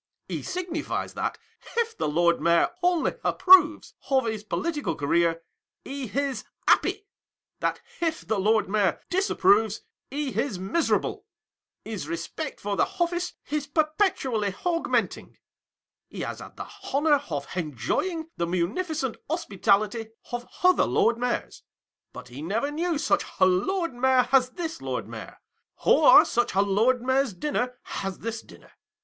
He signifies that, if the Lord Mayor only approves of his political career, he is happy ; that if the Lord Mayor disapproves, he is miserable. His respect for the office is perpetually aug menting. He has had the honour of enjoying the munificent hospitality of other Lord Mayors, but he never knew such a Lord Mayor as this Lord Mayor, or such a Lord Mayor's dinner as this dinner.